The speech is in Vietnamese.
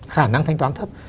khả năng thanh toán thấp